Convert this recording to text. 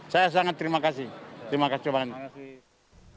saya sangat terima kasih terima kasih banyak